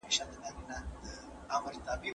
ولي کوښښ کوونکی د لوستي کس په پرتله ژر بریالی کېږي؟